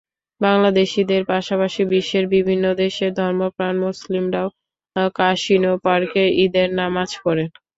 বাংলাদেশিদের পাশাপাশি বিশ্বের বিভিন্ন দেশের ধর্মপ্রাণ মুসলিমরাও কাসিনো পার্কে ঈদের নামাজ পড়েন।